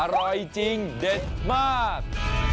อร่อยจริงเด็ดมาก